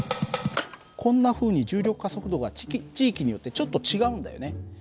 こんなふうに重力加速度が地域によってちょっと違うんだよね。